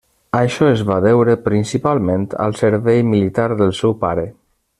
Això es va deure principalment al servei militar del seu pare.